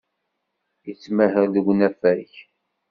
Yettmahal deg unafag.